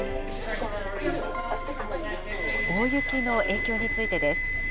大雪の影響についてです。